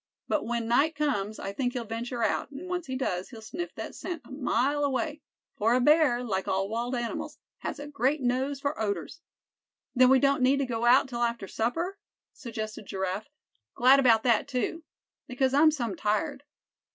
But when night comes, I think he'll venture out; and once he does, he'll sniff that scent a mile away; for a bear, like all wild animals, has a great nose for odors." "Then we don't need to go out till after supper?" suggested Giraffe. "Glad about that, too, because I'm some tired."